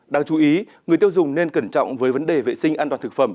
đáng chú ý người tiêu dùng nên cẩn trọng với vấn đề vệ sinh an toàn thực phẩm